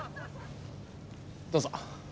どうぞ。